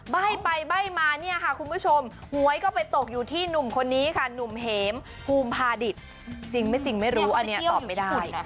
ใบ้ไปใบ้มาเนี่ยค่ะคุณผู้ชมหวยก็ไปตกอยู่ที่หนุ่มคนนี้ค่ะหนุ่มเหมภูมิพาดิตจริงไม่จริงไม่รู้อันนี้ตอบไม่ได้